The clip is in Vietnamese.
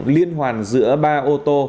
liên hoàn giữa ba ô tô